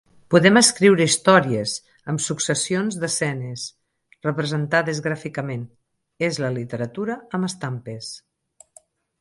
Podem escriure històries, amb successions d'escenes, representades gràficament: és la literatura amb estampes.